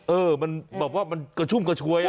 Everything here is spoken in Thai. เออมันแบบว่ามันกระชุ่มกระชวย